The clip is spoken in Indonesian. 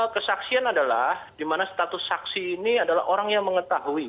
kesaksian adalah di mana status saksi ini adalah orang yang mengetahui